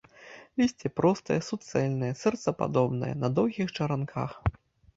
Лісце простае, суцэльнае, сэрцападобнае, на доўгіх чаранках.